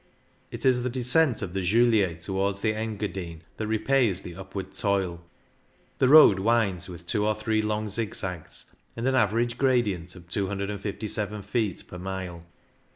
It is the descent of the Julier towards the Engadine that repays the upward toil. The road winds with two or three long zig zags, and an average gradient of 257 feet per mile.